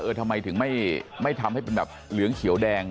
ทำไมถึงไม่ทำให้เป็นแบบเหลืองเขียวแดง